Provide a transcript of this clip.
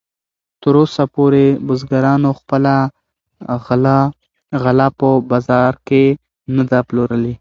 تراوسه پورې بزګرانو خپله غله په بازار کې نه ده پلورلې.